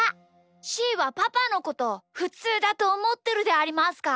しーはパパのことふつうだとおもってるでありますか？